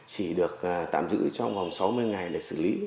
chỉ được tạm giữ trong vòng sáu mươi ngày để xử lý